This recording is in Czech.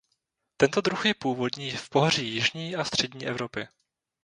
Tento druh je původní v pohoří jižní a střední Evropy.